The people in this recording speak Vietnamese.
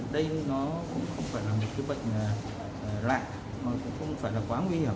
đây nó cũng không phải là một cái bệnh lạ nó cũng không phải là quá nguy hiểm